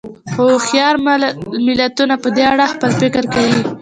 خو هوښیار ملتونه په دې اړه خپل فکر کوي.